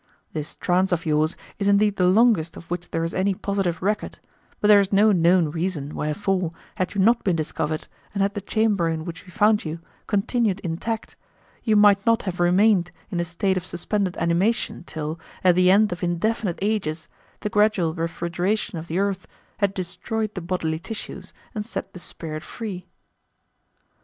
This trance of yours is indeed the longest of which there is any positive record, but there is no known reason wherefore, had you not been discovered and had the chamber in which we found you continued intact, you might not have remained in a state of suspended animation till, at the end of indefinite ages, the gradual refrigeration of the earth had destroyed the bodily tissues and set the spirit free."